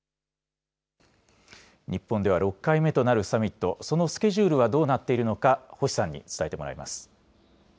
日本では６回目となるサミット、そのスケジュールはどうなっているのか、星さんに伝えてもらいます。